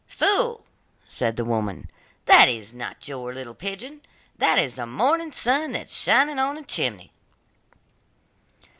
'Fool!' said the woman, 'that is not your little pigeon, that is the morning sun that is shining on the chimney.